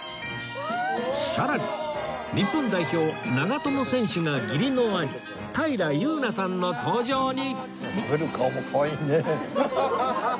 さらに日本代表長友選手が義理の兄平祐奈さんの登場に